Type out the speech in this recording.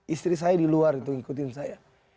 istri saya di luar itu ngikutin saya